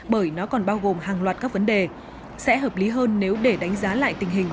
bởi nó còn bao gồm hàng loạt các vấn đề sẽ hợp lý hơn nếu để đánh giá lại tình hình